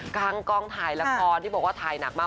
กองถ่ายละครที่บอกว่าถ่ายหนักมาก